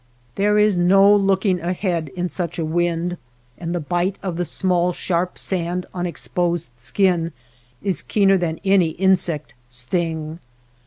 There is no looking ahead in such a wind, and the bite of the small sharp sand on exposed skin is keener than any insect sting.